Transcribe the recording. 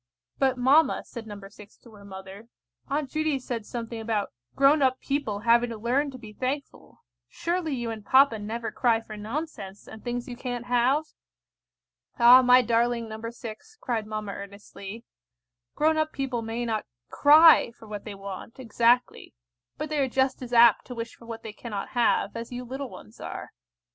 "But, mamma," said No. 6 to her mother, "Aunt Judy said something about grown up people having to learn to be thankful. Surely you and papa never cry for nonsense, and things you can't have?" "Ah, my darling No. 6," cried mamma earnestly, "grown up people may not cry for what they want exactly, but they are just as apt to wish for what they cannot have, as you little ones are.